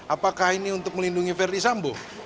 apakah ini untuk melindungi verdi sambu